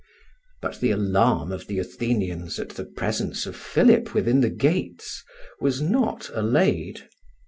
But the alarm of the Athenians at the presence of Philip within the gates was not allayed.